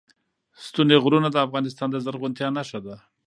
ستوني غرونه د افغانستان د زرغونتیا نښه ده.